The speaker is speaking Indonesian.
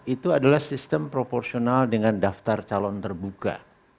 itu adalah sistem proporsional dengan daftar calon terbuka